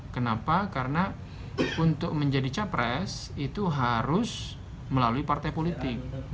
kenapa karena untuk menjadi capres itu harus melalui partai politik